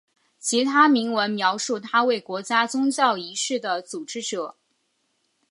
其他铭文描绘他为国家宗教仪式的组织者。